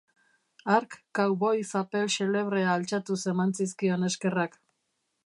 Hark cowboy zapel xelebrea altxatuz eman zizkion eskerrak.